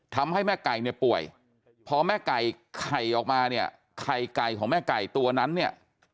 ทำให้แม่ไก่เนี่ยป่วยพอแม่ไก่ไข่ออกมาเนี่ยไข่ไก่ของแม่ไก่ตัวนั้นเนี่ย